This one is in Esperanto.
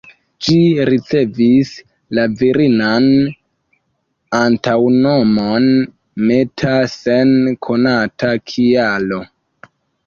Ĝi ricevis la virinan antaŭnomon ""Meta"" sen konata kialo.